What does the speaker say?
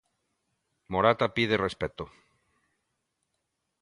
Morata pide respecto.